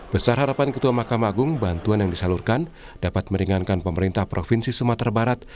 besar harapan ketua mahkamah agung bantuan yang disalurkan dapat meringankan pemerintah provinsi sumatera barat